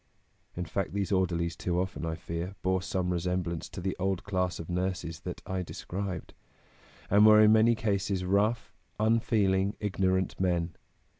" In fact, these orderlies too often, I fear, bore some resemblance to the old class of nurses that I described, and were in many cases rough, unfeeling, ignorant men.